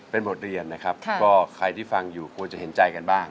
เป็นบทเรียนนะครับก็ใครที่ฟังอยู่ควรจะเห็นใจกันบ้าง